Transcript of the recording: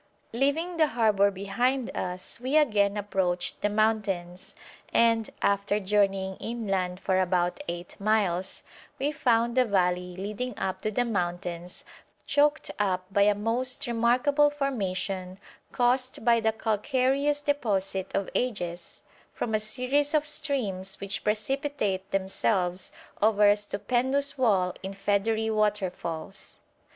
Leaving the harbour behind us we again approached the mountains, and, after journeying inland for about eight miles, we found the valley leading up to the mountains choked up by a most remarkable formation caused by the calcareous deposit of ages from a series of streams which precipitate themselves over a stupendous wall in feathery waterfalls.